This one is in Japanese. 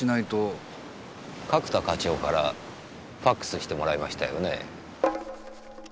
角田課長からファクスしてもらいましたよねぇ？